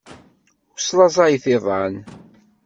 Ur slaẓayent iḍan.